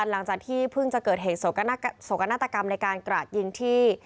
หลังจากที่เพิ่งจะเกิดเหตุโศกนาฏกรรมในการกราดยิงที่